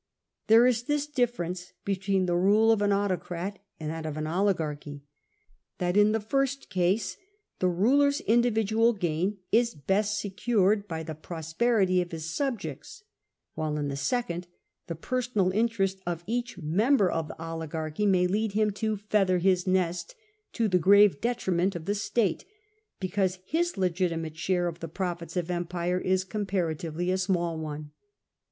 There is this difference between the rule of an autocrat and that of an oligarchy, that in the first case the ruler's in dividual gain is best secured by the prosperity of Ida sub jects, while in the second the personal interest of each member of the oligarchy may lead him to feather his nest" to the grave detriment of the state, because his legitimate share of the profits of empire m compara tively a small one.